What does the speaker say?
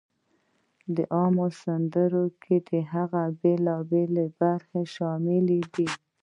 په عامو سندرو کې دغه بېلابېلی برخې شاملې دي: